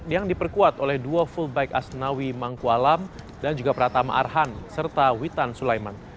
yang diperkuat oleh dua fullback asnawi mangkualam dan juga pratama arhan serta witan sulaiman